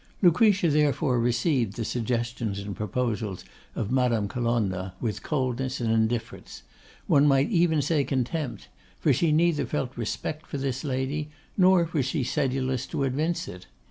Lucretia therefore received the suggestions and proposals of Madarne Colonna with coldness and indifference; one might even say contempt, for she neither felt respect for this lady, nor was she sedulous to evince it.